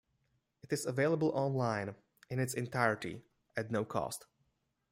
It is available online, in its entirety, at no cost.